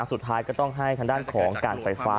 สุดท้ายก็ต้องให้ทางด้านของการไฟฟ้า